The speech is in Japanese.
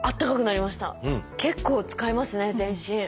結構使いますね全身。